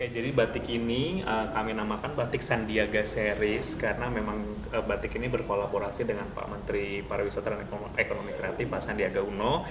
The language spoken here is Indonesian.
jadi batik ini kami namakan batik sandiaga series karena memang batik ini berkolaborasi dengan pak menteri parawisataan ekonomi kreatif pak sandiaga uno